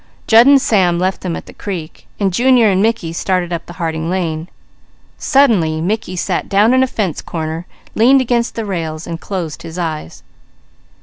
Jud and Sam left them at the creek, and Junior and Mickey started up the Harding lane. Suddenly Mickey sat down in a fence corner, leaned against the rails, and closed his eyes.